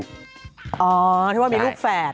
อ๋อเขาว่ามีลูกแฝด